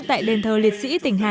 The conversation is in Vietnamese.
tại đền thờ liệt sĩ tỉnh hà nội